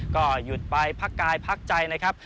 ก็หยุดไปพักกายพักใจนะครับ